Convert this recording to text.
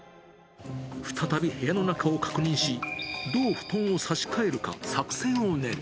再び部屋の中を確認し、どう布団を差し替えるか、作戦を練る。